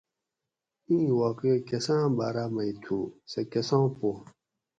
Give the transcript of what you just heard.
ایں واقعہ کساۤں باۤراۤ مئ تھو سہ کساں پو